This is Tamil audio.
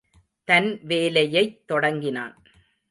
தன் வேலையைத் தொடங்கினான்.